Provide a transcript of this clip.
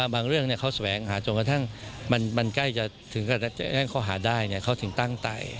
บางเรื่องเขาแสวงหาจนกระทั่งมันใกล้จะถึงกับแจ้งข้อหาได้เขาถึงตั้งไต